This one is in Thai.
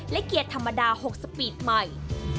และเกียร์ธรรมดา๖สปีดใหม่